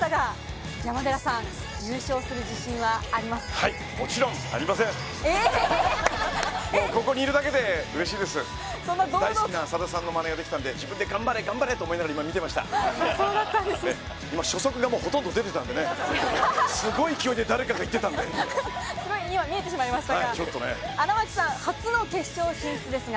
大好きなさださんのものまねができたので、自分で頑張れ、頑張れと思いながら、今、見てまそうだったんですね？